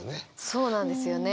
そうなんですよね。